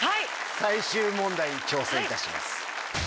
最終問題に挑戦いたします。